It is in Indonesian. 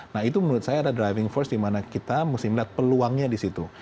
nah itu menurut saya ada driving force dimana kita mesti melihat peluangnya disitu